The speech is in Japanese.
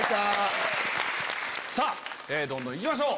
どんどん行きましょう！